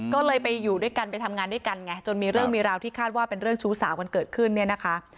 ก็เลยไปอยู่ด้วยกันไปทำงานด้วยกันไงจนมีเรื่องมีราวที่คาดว่าเป็นเรื่องชู้สาวกันเกิดขึ้นเนี่ยนะคะ